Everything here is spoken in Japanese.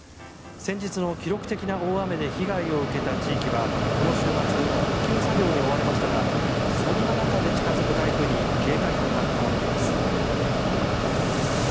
先日の記録的な大雨で被害を受けた地域はこの週末復旧作業に追われましたがそんな中で近付く台風に警戒感が高まっています。